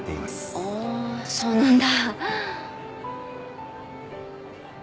ああそうなんだ。